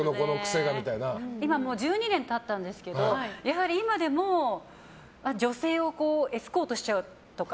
１２年経ったんですけど今でも女性をエスコートしちゃうとか。